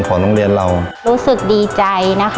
ทางโรงเรียนยังได้จัดซื้อหม้อหุงข้าวขนาด๑๐ลิตร